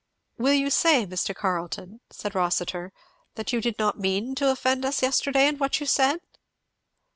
"Will you say, Mr. Carleton," said Rossitur, "that you did not mean to offend us yesterday in what you said?"